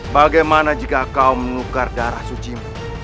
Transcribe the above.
bagaimana jika kau menukar darah suci mu